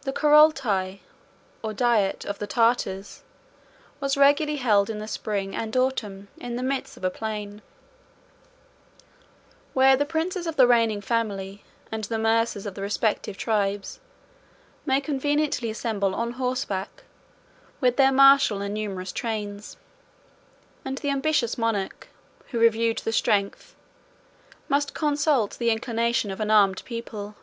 The Coroulai, 14 or Diet, of the Tartars, was regularly held in the spring and autumn, in the midst of a plain; where the princes of the reigning family, and the mursas of the respective tribes, may conveniently assemble on horseback, with their martial and numerous trains; and the ambitious monarch, who reviewed the strength, must consult the inclination of an armed people.